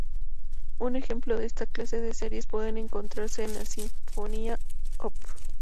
Un ejemplo de esta clase de series puede encontrarse en la Sinfonía Op.